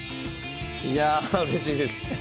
いやあうれしいです。